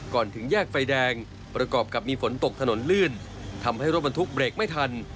ถึงแยกไฟแดงประกอบกับมีฝนตกถนนลื่นทำให้รถบรรทุกเบรกไม่ทัน